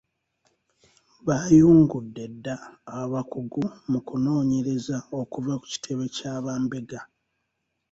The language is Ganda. Baayungudde dda abakugu mu kunoonyereza okuva ku kitebe kya bambega .